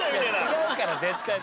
違うから絶対。